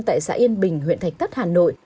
tại xã yên bình huyện thạch tất hà nội